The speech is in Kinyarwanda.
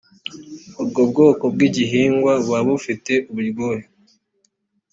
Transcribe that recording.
ubwo bwoko bw ‘igihingwa buba bufite uburyohe.